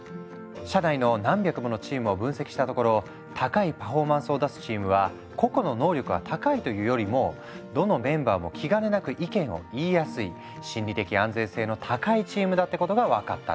社内の何百ものチームを分析したところ高いパフォーマンスを出すチームは個々の能力が高いというよりもどのメンバーも気兼ねなく意見を言いやすい心理的安全性の高いチームだってことが分かったんだ。